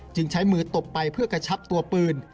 จึงใช้มือตบไปเพื่อกระชับตัวปืน